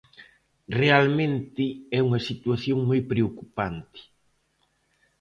Realmente é unha situación moi preocupante.